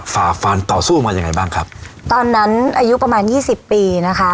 ฝ่าฟันต่อสู้มายังไงบ้างครับตอนนั้นอายุประมาณยี่สิบปีนะคะ